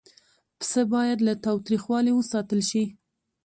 پسه باید له تاوتریخوالي وساتل شي.